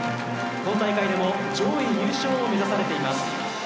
今大会でも上位入賞を目指されています。